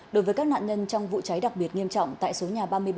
đối với các nạn nhân trong vụ cháy đặc biệt nghiêm trọng tại số nhà ba mươi bảy